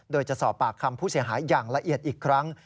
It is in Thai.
โดยจะสอบปากคำผู้เสียหายอย่างละเอียดอีกครั้ง